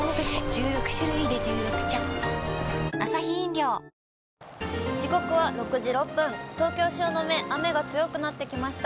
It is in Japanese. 十六種類で十六茶時刻は６時６分、東京・汐留、雨が強くなってきました。